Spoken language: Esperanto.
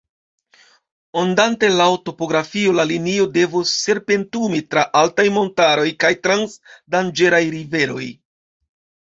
Ondante laŭ topografio, la linio devos serpentumi tra altaj montaroj kaj trans danĝeraj riveroj.